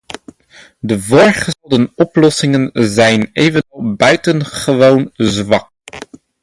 De voorgestelde oplossingen zijn evenwel buitengewoon zwak.